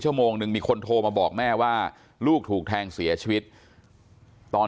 โมงหนึ่งมีคนโทรมาบอกแม่ว่าลูกถูกแทงเสียชีวิตตอน